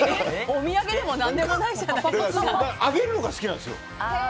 お土産でもあげるのが好きなんです。